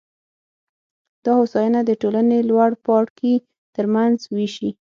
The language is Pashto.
دا هوساینه د ټولنې لوړ پاړکي ترمنځ وېشي